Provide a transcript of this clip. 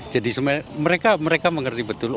jadi mereka mengerti betul